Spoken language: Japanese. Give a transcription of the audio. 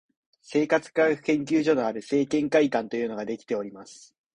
生活科学研究所のある生研会館というのができております